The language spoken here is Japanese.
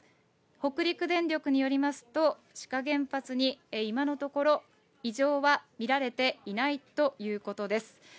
北陸電力によりますと、志賀原発に今のところ異常は見られていないということです。